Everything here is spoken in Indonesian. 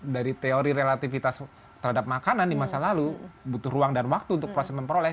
jadi teori relatifitas terhadap makanan di masa lalu butuh ruang dan waktu untuk proses memperoleh